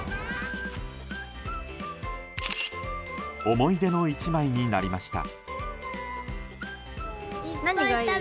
思い出の１枚になりました。